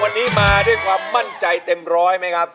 วันนี้มาด้วยความมั่นใจเต็มร้อยไหมครับ